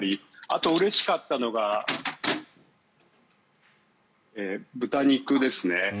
あと、うれしかったのが豚肉ですね。